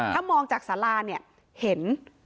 ถ้ามองจากสาราเนี่ยเห็น